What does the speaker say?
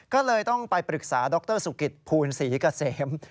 ก็เลยต้องไปปรึกษาดรสุกิตภูลศรีเกษม